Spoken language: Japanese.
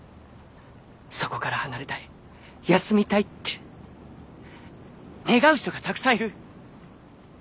そこから離れたい休みたいって願う人がたくさんいる。